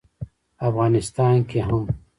افغانستان کې هم